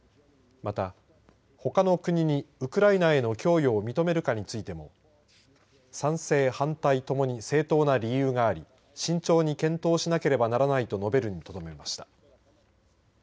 また、ほかの国にウクライナへの供与を認めるかについても賛成、反対ともに正当な理由があり慎重に検討しなければならないと述べるにとどまりました。